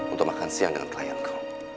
untuk makan siang dengan klienku